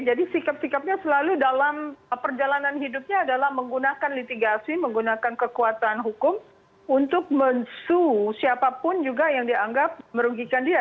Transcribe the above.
jadi sikap sikapnya selalu dalam perjalanan hidupnya adalah menggunakan litigasi menggunakan kekuatan hukum untuk mensuhu siapapun juga yang dianggap merugikan dia